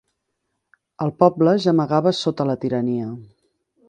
El poble gemegava sota la tirania.